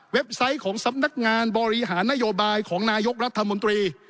ไซต์ของสำนักงานบริหารนโยบายของนายกรัฐมนตรี